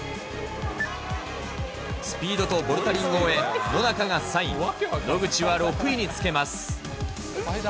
スピードとボルダリングを終え、野中が３位、野口は６位につけます。